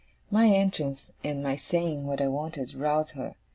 My entrance, and my saying what I wanted, roused her.